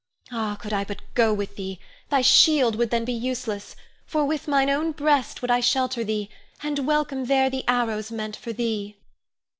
Ah, could I but go with thee, thy shield would then be useless, for with mine own breast would I shelter thee, and welcome there the arrows meant for thee.